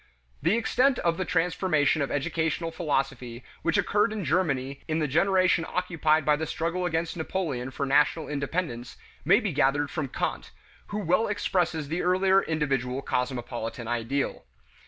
The extent of the transformation of educational philosophy which occurred in Germany in the generation occupied by the struggle against Napoleon for national independence, may be gathered from Kant, who well expresses the earlier individual cosmopolitan ideal.